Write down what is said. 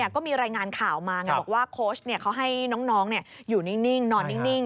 ก็มีรายงานข่าวมาไงบอกว่าโค้ชเขาให้น้องอยู่นิ่งนอนนิ่ง